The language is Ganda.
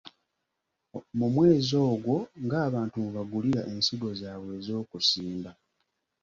Mu mwezi ogwo abantu nga mwebagulira ensigo zaabwe ez'okusimba.